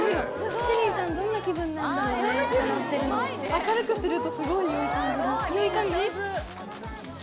明るくするとすごいいい感じです。